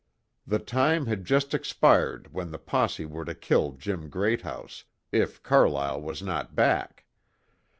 The time had just expired when the posse were to kill Jim Greathouse, if Carlyle was not back.